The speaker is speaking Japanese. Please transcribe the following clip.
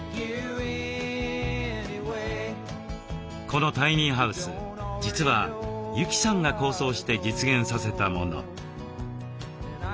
このタイニーハウス実は由季さんが構想して実現させたもの。